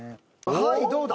はいどうだ？